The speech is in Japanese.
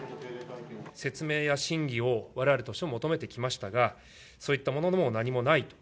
説明や審議をわれわれとして求めてきましたが、そういったものも何もないと。